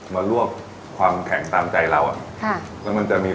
มารวบความแข็งตามใจเราอ่ะค่ะแล้วมันจะมี